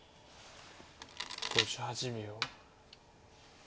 ５８秒。